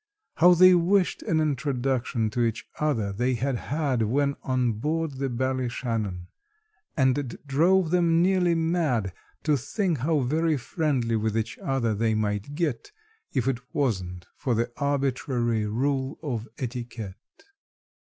How they wished an introduction to each other they had had When on board the Ballyshannon! And it drove them nearly mad To think how very friendly with each other they might get, If it wasn't for the arbitrary rule of etiquette!